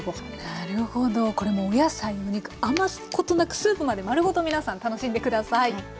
なるほどこれもお野菜お肉余すことなくスープまで丸ごと皆さん楽しんで下さい。